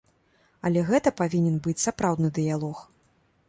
Але гэта павінен быць сапраўдны дыялог.